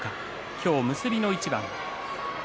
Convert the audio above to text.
今日、結びの一番。